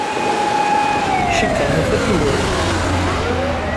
Cikkeɣ nufa-d ugur-nni.